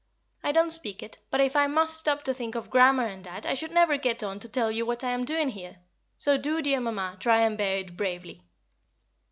I don't speak it; but if I must stop to think of grammar and that, I should never get on to tell you what I am doing here, so do, dear Mamma, try and bear it bravely.